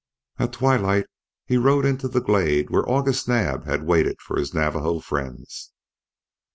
At twilight he rode into the glade where August Naab had waited for his Navajo friends.